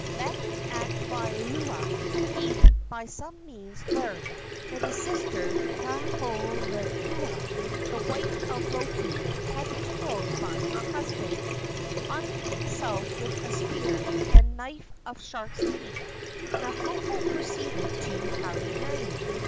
Landing at Waialua, he by some means learned that his sister, Kaholekua, the wife of Lotu, had been killed by her husband. Arming himself with a spear and knife of sharks' teeth, Napopo proceeded to Halemanu.